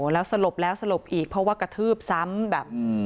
แล้วสลบแล้วสลบอีกเพราะว่ากระทืบซ้ำแบบ